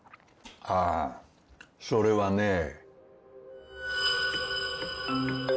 あーそれはねぇ。